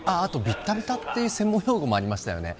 ビッタビタっていう専門用語もありましたよね